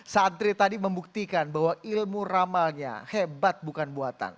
santri tadi membuktikan bahwa ilmu ramalnya hebat bukan buatan